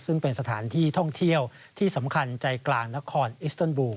ซึ่งเป็นสถานที่ท่องเที่ยวที่สำคัญใจกลางนครอิสเติลบูล